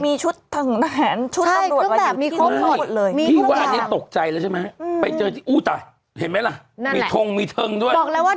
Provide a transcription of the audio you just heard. มีรถตำรวจนำ